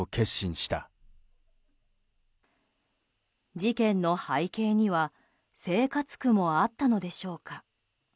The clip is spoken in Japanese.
事件の背景には生活苦もあったのでしょうか。